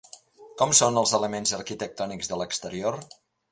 Com són els elements arquitectònics de l'exterior?